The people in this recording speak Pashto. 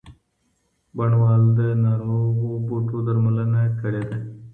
بڼوال د ناروغو بوټو درملنه کړې ده.